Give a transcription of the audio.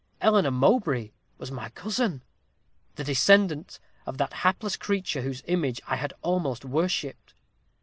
Eleanor Mowbray was my cousin the descendant of that hapless creature whose image I had almost worshipped.